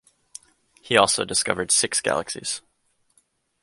He also discovered six galaxies.